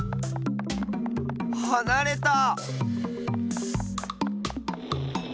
はなれた！